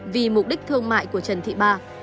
vì mục đích thương mại của trần thị ba